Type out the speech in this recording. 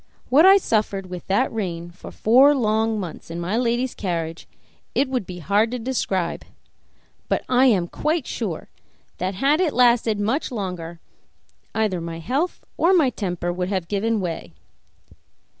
What I suffered with that rein for four long months in my lady's carriage it would be hard to describe; but I am quite sure that, had it lasted much longer, either my health or my temper would have given way.